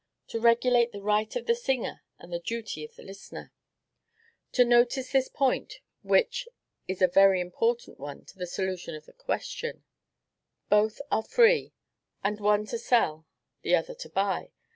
To regulate the right of the singer and the duty of the listener. Now, notice this point, which is a very important one in the solution of this question: both are free, the one to sell, the other to buy.